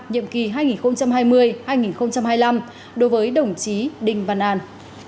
nhiệm kỳ hai nghìn hai mươi hai nghìn hai mươi năm đối với đồng chí đinh văn an